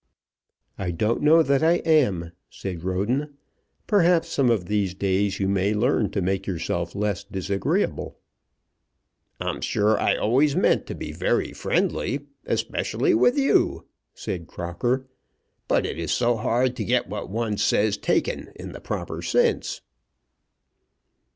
"I don't know that I am," said Roden. "Perhaps some of these days you may learn to make yourself less disagreeable." "I'm sure I've always meant to be very friendly, especially with you," said Crocker; "but it is so hard to get what one says taken in the proper sense."